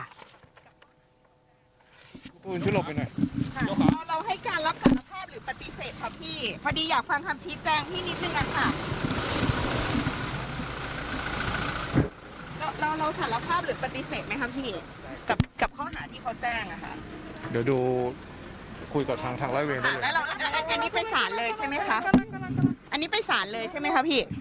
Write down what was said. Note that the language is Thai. อันนี้ไปสารเลยใช่ไหมครับพี่